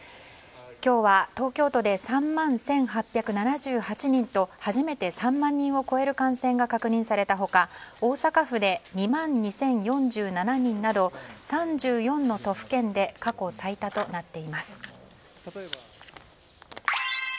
今日は東京都で３万１８７８人と初めて３万人を超える感染が確認されたほか大阪府で２万２４７０人など３４の都府県で過去最多となっています。